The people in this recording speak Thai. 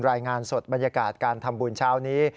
รายงานสดบรรยากาศการทำบุญเช้านี้